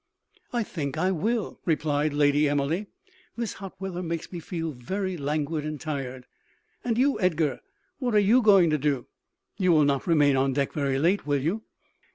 "I think I will," replied Lady Emily; "this hot weather makes me feel very languid and tired. And you, Edgar what are you going to do? You will not remain on deck very late, will you?"